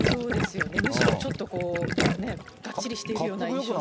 むしろちょっとこう、がっちりしてるような印象も。